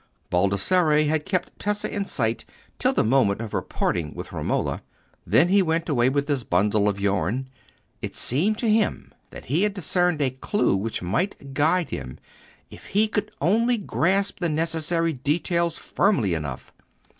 Baldassarre had kept Tessa in sight till the moment of her parting with Romola: then he went away with his bundle of yarn. It seemed to him that he had discerned a clue which might guide him if he could only grasp the necessary details firmly enough.